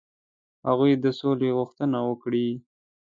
هغوی د سولي غوښتنه وکړي.